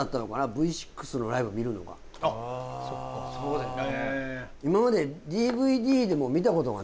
Ｖ６のライブを見るのがあっそっかへえそうだよね